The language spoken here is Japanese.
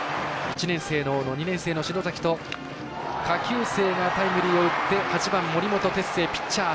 １年生の大野、２年生の篠崎と下級生がタイムリーを打って８番、森本哲星、ピッチャー。